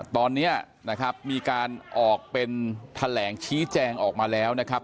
ตอนนี้นะครับมีการออกเป็นแถลงชี้แจงออกมาแล้วนะครับ